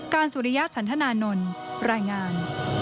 สุริยะฉันธนานนท์รายงาน